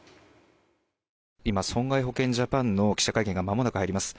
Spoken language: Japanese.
今、損害保険ジャパンの記者会見がまもなく入ります。